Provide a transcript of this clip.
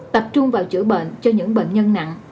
tập trung vào chữa bệnh cho những bệnh nhân nặng